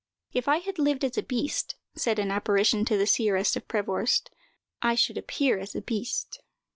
"If I had lived as a beast," said an apparition to the Seeress of Provorst, "I should appear as a beast."